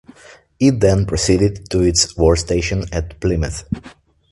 It then proceeded to its war station at Plymouth.